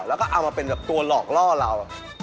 แล้วก็เอามาเป็นแบบตัวหลอกล่อเรา